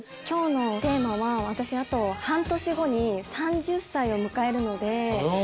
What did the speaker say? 今日のテーマは私半年後に３０歳を迎えるので。